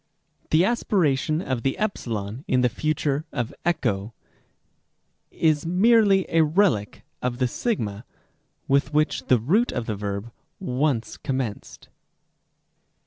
The aspiration of the ε in the future of ἔχω is merely a relic of the σ with which the root of the verb once commenced.